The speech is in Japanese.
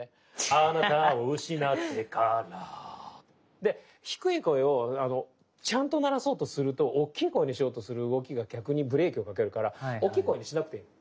あなたをうしなってからで低い声をちゃんと鳴らそうとするとおっきい声にしようとする動きが逆にブレーキをかけるからおっきい声にしなくていい。